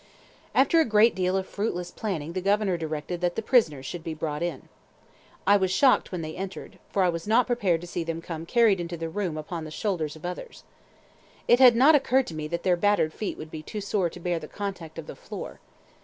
After a great deal of fruitless planning the Governor directed that the prisoners should be brought in. I was shocked when they entered, for I was not prepared to see them come carried into the room upon the shoulders of others. It had not occurred to me that their battered feet would be too sore to bear the contact of the floor.